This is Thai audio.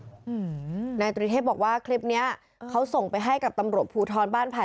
อืมนายตรีเทพบอกว่าคลิปเนี้ยเขาส่งไปให้กับตำรวจภูทรบ้านไผ่